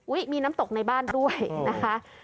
มีน้ำตกในบ้านด้วยนะคะ